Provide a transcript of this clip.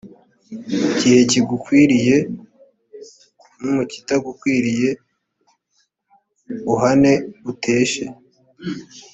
igihe kigukwiriye no mu kitagukwiriye uhane uteshe